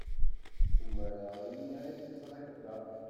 Umareɣ imi ay k-ẓriɣ da.